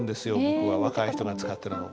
僕は若い人が使ってるの。